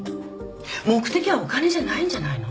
目的はお金じゃないんじゃないの？